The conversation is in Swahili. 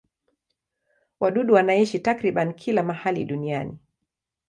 Wadudu wanaishi takriban kila mahali duniani.